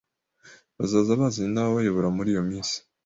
Bazaza bazanye nababayobora muri iyo minsi